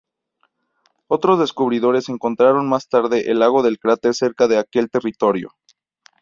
Otros descubridores encontraron más tarde el lago del Cráter cerca de aquel territorio.